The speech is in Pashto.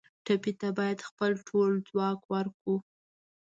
ټپي ته باید خپل ټول ځواک ورکړو.